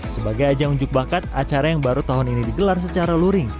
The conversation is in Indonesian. sebagai ajang unjuk bakat acara yang baru tahun ini digelar secara luring